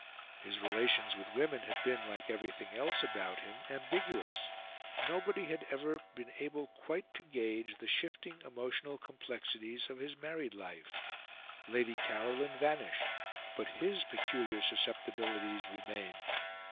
His relations with women had been, like everything else about him, ambiguous. Nobody had ever been able quite to gauge the shifting, emotional complexities of his married life; Lady Caroline vanished; but his peculiar susceptibilities remained.